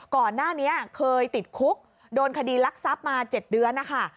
ก่อนหน้านี้เคยติดคุกโดนคดีรักทรัพย์มา๗เดือนนะคะ